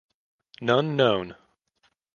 None known.